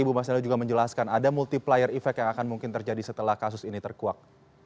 ibu mas nelio juga menjelaskan ada multiplier effect yang akan mungkin terjadi setelah kasus ini terkuat